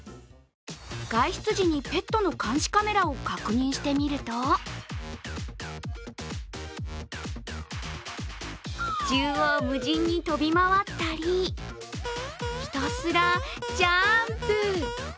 外出時にペットの監視カメラを確認してみると縦横無尽に飛び回ったりひたすらジャンプ。